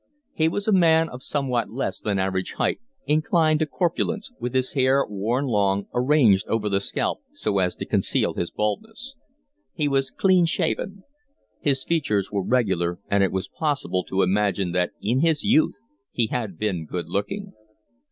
He was a man of somewhat less than average height, inclined to corpulence, with his hair, worn long, arranged over the scalp so as to conceal his baldness. He was clean shaven. His features were regular, and it was possible to imagine that in his youth he had been good looking.